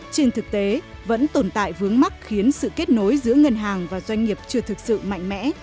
trên thực tế vẫn tồn tại vướng mắc khiến sự kết nối giữa ngân hàng và doanh nghiệp chưa thực sự mạnh mẽ